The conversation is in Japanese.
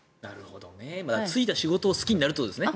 就いた仕事を好きになるということですね。